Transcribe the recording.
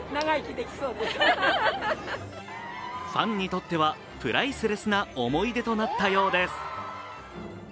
ファンにとってはプライスレスな思い出となったようです。